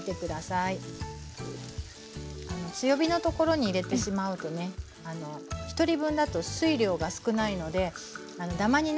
強火のところに入れてしまうとね１人分だと水量が少ないのでダマになることもありますのでね